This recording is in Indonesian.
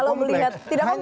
kalau melihat tidak kompleks